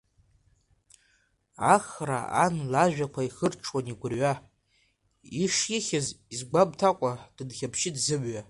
Ахра ан лажәақәа ихырҽуан игәырҩа, ишихьыз изгәамҭакәа, дынхьаԥшит зымҩа.